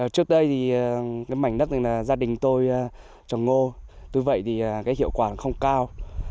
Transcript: trước đây mảnh đất là gia đình tôi trồng ngô tuy vậy hiệu quả không cao